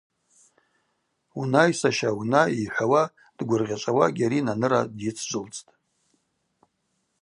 Унай, саща, унай,–йхӏвауа дгвыргъьачӏвауа Гьари Наныра дйыцджвылцӏтӏ.